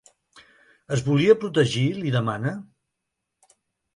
Es volia protegir?, li demana.